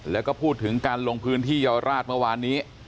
แล้วก็พูดถึงการลงพื้นที่เยาวราชเมื่อวานนี้